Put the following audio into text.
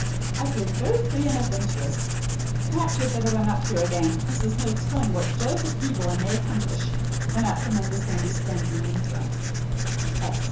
I feel very free and adventurous. Perhaps you had better run up here again, as there's no telling what joyous upheaval I may accomplish when out from under Sandy's dampening influence.